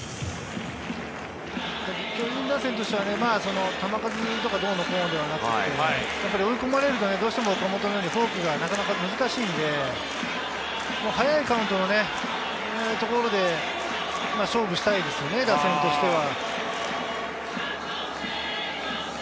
巨人打線としては球数とかどうのこうのではなくて、追い込まれると、どうしても岡本のようにフォークがなかなか難しいので、早いカウントのところで勝負したいですよね、打線としては。